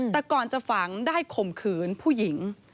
แต่ก่อนจะฝังได้ข่มขืนผู้หญิง